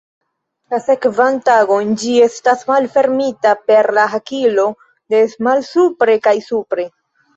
La sekvan tagon ĝi estas malfermita per la hakilo de malsupre kaj supre.